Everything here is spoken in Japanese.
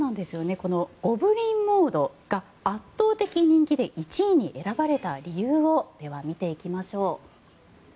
このゴブリン・モードが圧倒的人気で１位に選ばれた理由を見ていきましょう。